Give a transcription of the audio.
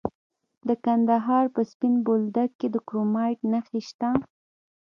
د کندهار په سپین بولدک کې د کرومایټ نښې شته.